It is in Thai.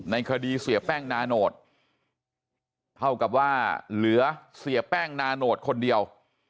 ในคดีเสียแป้งนาโนตเท่ากับว่าเหลือเสียแป้งนาโนตคนเดียว